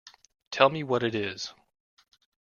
Tell me what it is.